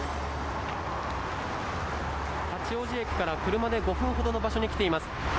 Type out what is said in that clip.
八王子駅から車で５分ほどの場所に来ています。